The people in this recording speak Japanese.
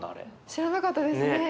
知らなかったですね。